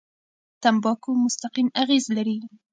تمباکو مستقیم اغېز لري.